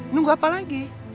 nunggu apa lagi